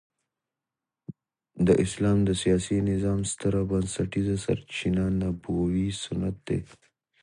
د اسلام د سیاسي نظام ستره بنسټيزه سرچینه نبوي سنت دي.